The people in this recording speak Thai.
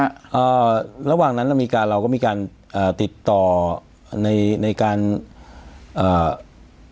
อ่าระหว่างนั้นเรามีการเราก็มีการอ่าติดต่อในในการอ่า